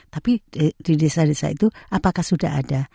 tapi di desa desa itu apakah sudah ada